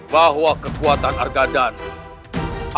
bahwa kekuatan argadana